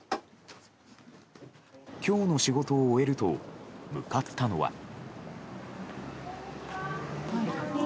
今日の仕事を終えると向かったのは。